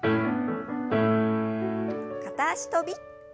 片脚跳び。